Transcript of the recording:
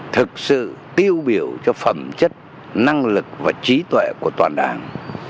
thực sự tiêu biểu cho phẩm chất năng lực và trí tuệ của toàn đảng